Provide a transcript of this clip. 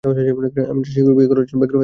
আমরা শীঘ্রই বিয়ে করার জন্য ব্যগ্র হয়ে আছি!